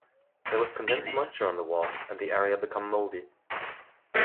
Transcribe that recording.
There was condensed moisture on the wall and the area become mouldy.